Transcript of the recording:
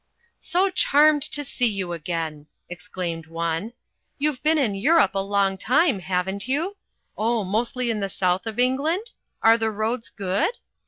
"So charmed to see you again," exclaimed one. "You've been in Europe a long time, haven't you? Oh, mostly in the south of England? Are the roads good?